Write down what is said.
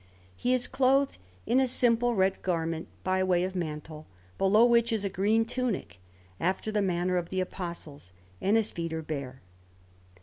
He is clothed in a simple red garment by way of mantle, below which is a green tunic, after the manner of the Apostles, and his feet are bare.